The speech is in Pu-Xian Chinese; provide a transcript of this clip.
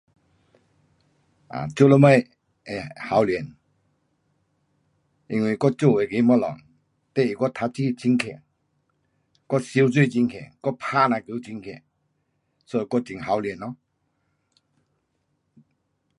我很浩恋 [HOKKIEN] 因为我读书很棒,我游泳很棒，我打人又很棒 so 我很浩恋 (Hokkien)